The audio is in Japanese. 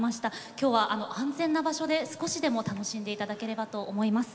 今日は安全な場所で少しでも楽しんでいただければと思います。